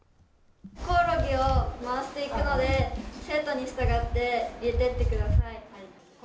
コオロギを回していくので生徒に従って入れていってください。